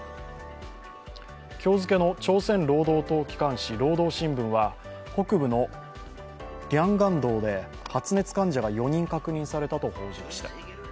今日付の朝鮮労働党機関紙「労働新聞」は北部のリャンガンドで発熱患者が４人確認されたと報じました。